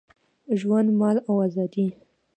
ژوند، مال او آزادي